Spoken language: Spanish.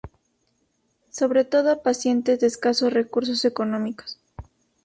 Sobre todo a pacientes de escasos recursos económicos.